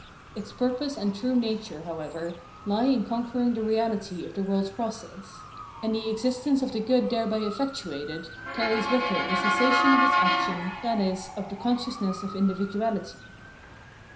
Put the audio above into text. Its purpose and true nature, however, he in conquering the reahty of the world's process ; and the existence of the good thereby effec 372 Phenomenology of Mind tuated carries with it the cessation of its action, i.e. of the consciousness of individuaUty.